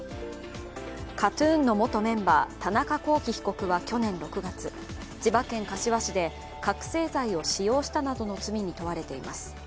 ＫＡＴ−ＴＵＮの元メンバー、田中聖被告は去年６月、千葉県柏市で覚醒剤を使用したなどの罪に問われています。